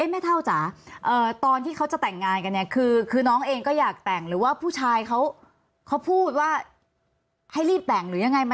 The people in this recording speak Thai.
เท่าจ๋าตอนที่เขาจะแต่งงานกันเนี่ยคือน้องเองก็อยากแต่งหรือว่าผู้ชายเขาพูดว่าให้รีบแต่งหรือยังไงไหม